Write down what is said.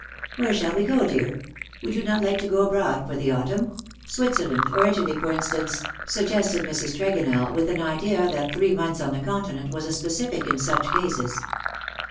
'^ Where shall we go, dear ? Would you not like to go abroad for the autumn — Switzerland, or Italy, for instance T' suggested Mrs. Tregonell, with an idea that three months on the Continent was a specific in such cases.